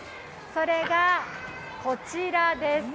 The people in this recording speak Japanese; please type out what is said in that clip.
それがこちらです。